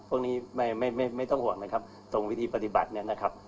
พวกนี้ไม่ไม่ต้องห่วงนะครับตรงวิธีปฏิบัติเนี่ยนะครับ